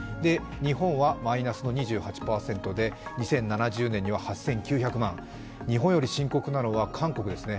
日本はマイナスの２８％で、２０７０年には８９００万、日本より深刻なのは韓国ですね。